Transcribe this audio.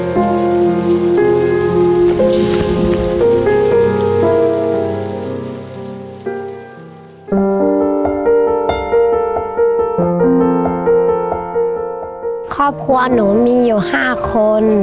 ครอบครัวหนูมีอยู่๕คน